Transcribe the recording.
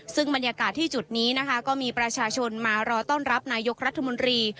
ซึ่งบรรยากาศที่จุดนี้นะคะก็มีประชาชนมารอต้อนรับนายกรัฐมนตรี